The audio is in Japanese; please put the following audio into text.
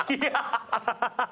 ハハハハ！